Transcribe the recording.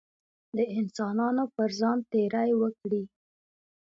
د انسانانو پر ځان تېری وکړي.